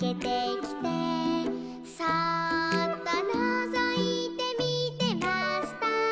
「そうっとのぞいてみてました」